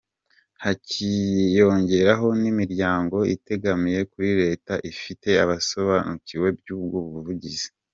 Hakiyongeraho n’imiryango itegamiye kuri leta ifite abasobanukiwe iby’ubwo buvuzi.